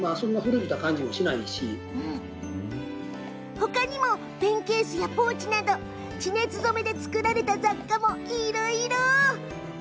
ほかにもペンケースやポーチなど地熱染めで作られた雑貨もいろいろ。